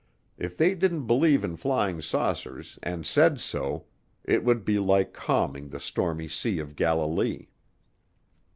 If they didn't believe in flying saucers and said so, it would be like calming the stormy Sea of Galilee.